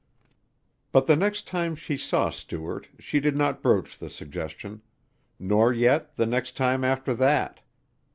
But the next time she saw Stuart she did not broach the suggestion, nor yet the next time after that.